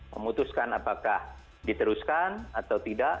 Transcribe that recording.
memutuskan apakah diteruskan atau tidak